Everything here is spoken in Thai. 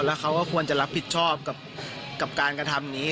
แล้วเขาก็ควรจะรับผิดชอบกับการกระทำนี้